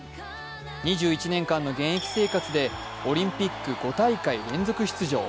２１年間の現役生活でオリンピック５大会連続出場。